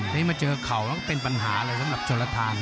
เดี๋ยวมาเจอเข่าก็เป็นปัญหาเลยสำหรับชนลพัฒน์